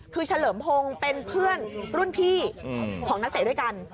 คือเฉลิมพงศ์เป็นเพื่อนรุ่นพี่ของนักเตะด้วยกัน